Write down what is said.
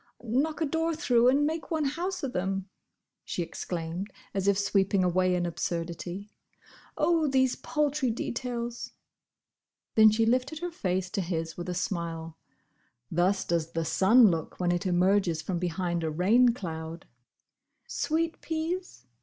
"Knock a door through and make one house of them!" she exclaimed, as if sweeping away an absurdity. "Oh, these paltry details!" Then she lifted her face to his with a smile. Thus does the sun look when it emerges from behind a rain cloud. "Sweet peas?